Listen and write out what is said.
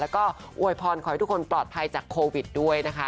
แล้วก็อวยพรขอให้ทุกคนปลอดภัยจากโควิดด้วยนะคะ